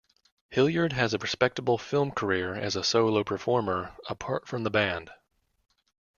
Hilliard had a respectable film career as a solo performer, apart from the band.